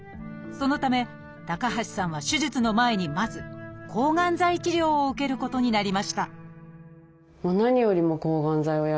そのため高橋さんは手術の前にまず抗がん剤治療を受けることになりました